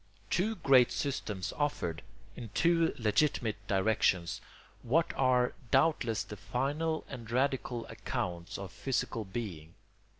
Two great systems offered, in two legitimate directions, what are doubtless the final and radical accounts of physical being.